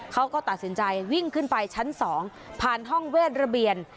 เขาก็ตัดสินใจวิ่งขึ้นไปชั้น๒ผ่านห้องเวทระเบียน